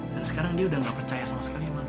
dan sekarang dia udah gak percaya sama sekali sama lu